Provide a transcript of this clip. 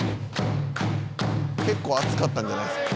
「結構熱かったんじゃないですか？」